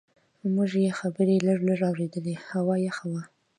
موږ یې خبرې لږ لږ اورېدلې، هوا یخه وه.